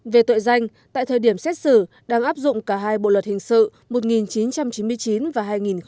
về tội danh tại thời điểm xét xử đang áp dụng cả hai bộ luật hình sự một nghìn chín trăm chín mươi chín và hai nghìn một mươi năm